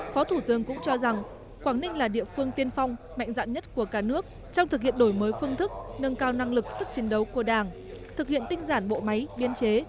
phó thủ tướng cũng cho rằng quảng ninh là địa phương tiên phong mạnh dạng nhất của cả nước trong thực hiện đổi mới phương thức nâng cao năng lực sức chiến đấu của đảng thực hiện tinh giản bộ máy biên chế